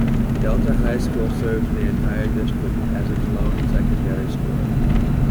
Delta High School serves the entire district as its lone secondary school.